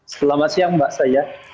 selamat siang mbak saya